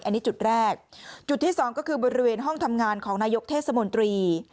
อันนี้จุดแรกจุดที่สองก็คือบริเวณห้องทำงานของนายกเทศมนตรี